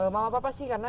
mama papa sih